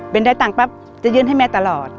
เป็นได้ตังค์ปั๊บจะยื่นให้แม่ตลอด